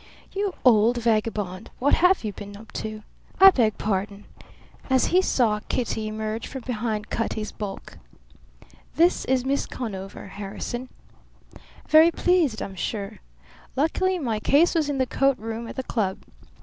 "You old vagabond, what have you been up to? I beg pardon!" as he saw Kitty emerge from behind Cutty's bulk. "This is Miss Conover, Harrison." "Very pleased, I'm sure. Luckily my case was in the coat room at the club.